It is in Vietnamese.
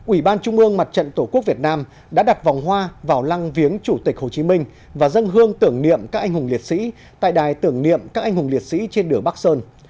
ủy ban trung ương mặt trận tổ quốc việt nam đã đặt vòng hoa vào lăng viếng chủ tịch hồ chí minh và dân hương tưởng niệm các anh hùng liệt sĩ tại đài tưởng niệm các anh hùng liệt sĩ trên đường bắc sơn